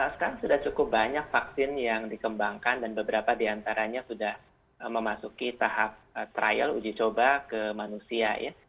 sekarang sudah cukup banyak vaksin yang dikembangkan dan beberapa diantaranya sudah memasuki tahap trial uji coba ke manusia ya